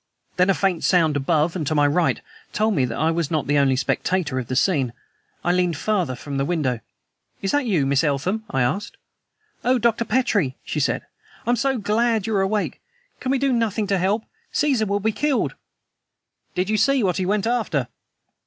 Then a faint sound above and to my right told me that I was not the only spectator of the scene. I leaned farther from the window. "Is that you, Miss Eltham?" I asked. "Oh, Dr. Petrie!" she said. "I am so glad you are awake. Can we do nothing to help? Caesar will be killed." "Did you see what he went after?"